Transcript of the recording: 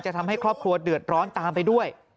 ทำให้ครอบครัวเดือดร้อนตามไปด้วย